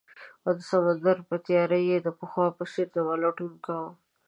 او د سمندر په تیاره کې یې د پخوا په څیر زما لټون کاؤه